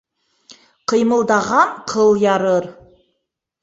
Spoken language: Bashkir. Ҡыймылдаған ҡыл ярыр.